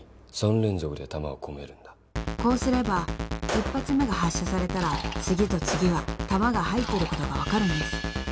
［こうすれば１発目が発射されたら次と次は弾が入っていることが分かるんです］